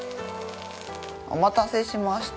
お待たせしました。